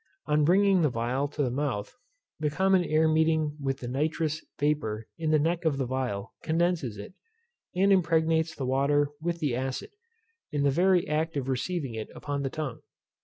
On bringing the phial to the mouth, the common air meeting with the nitrous vapour in the neck of the phial, condenses it, and impregnates the water with the acid, in the very act of receiving it upon the tongue.